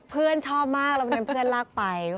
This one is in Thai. เพื่อนชอบมากเราเป็นเพื่อนลากไป